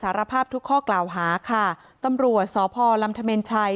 สารภาพทุกข้อกล่าวหาค้าตำรัวซอภรรภ์ลำทะเมลชาย